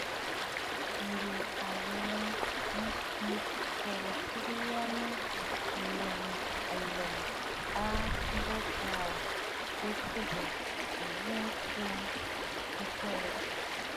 Ǹdè a ghɨ̀rə ntsugə atsugə ya nlə̀ə̀ a mbo Taà bìʼì tɨgə jɨ tsiʼì ŋ̀kə̀rə̀.